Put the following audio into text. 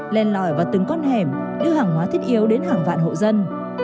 lên lòi vào từng con hẻm đưa hàng hóa thiết yếu đến hàng vạn hộ dân